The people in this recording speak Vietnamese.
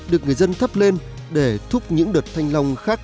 được người dân thắp lên để thúc những đợt thanh long khác